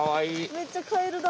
めっちゃカエルだ。